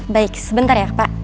baik sebentar ya pak